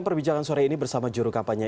perbincangan sore ini bersama juru kampanye